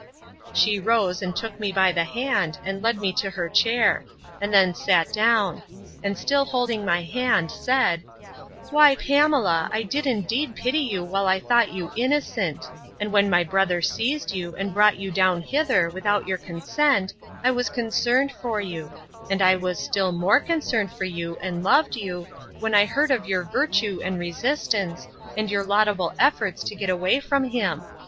She rose, and took me by the hand, and led me to her chair; and then sat down; and still holding my hand, said, Why Pamela, I did indeed pity you while I thought you innocent; and when my brother seized you, and brought you down hither, without your consent, I was concerned for you; and I was still more concerned for you, and loved you, when I heard of your virtue and resistance, and your laudable efforts to get away from him.